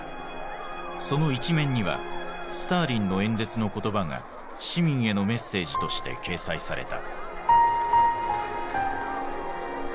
その一面にはスターリンの演説の言葉が市民へのメッセージとして掲載された。